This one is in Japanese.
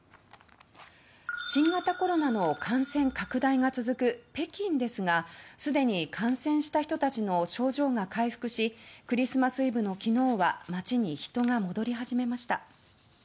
新型コロナの感染拡大が続く北京ですがすでに感染した人たちの症状が回復しクリスマスイブの昨日は街に人が戻り始めました。